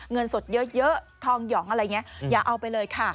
เงินสดเยอะทองหยองอะไรอย่างนี้อย่าเอาไปเลยค่ะ